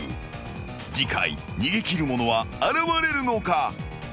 ［次回逃げ切る者は現れるのか？］